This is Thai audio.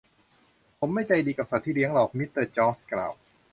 ผมไม่ใจดีกับสัตว์ที่เลี้ยงหรอก มิสเตอร์จอร์ชกล่าว